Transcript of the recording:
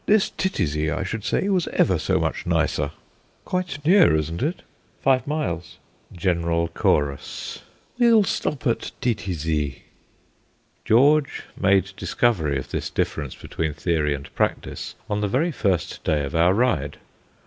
This Titisee, I should say, was ever so much nicer." "Quite near, isn't it?" "Five miles." General chorus: "We'll stop at Titisee." George made discovery of this difference between theory and practice on the very first day of our ride.